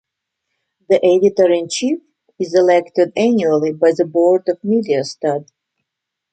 The editor in chief is elected annually by the board of Mediastud.